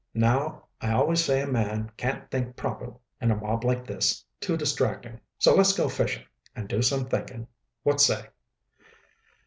Now, I always say a man can't think proper in a mob like this. Too distracting. So let's go fishing and do some thinking. What say?"